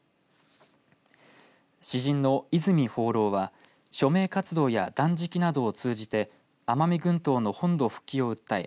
詩人の泉芳朗は署名活動や断食などを通じて奄美群島の本土復帰を訴え